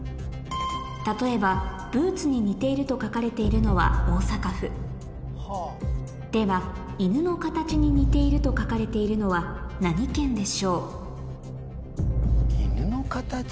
例えばブーツに似ていると書かれているのは大阪府では犬の形に似ていると書かれているのは何県でしょう？